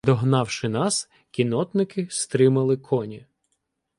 Догнавши нас, кіннотники стримали коні.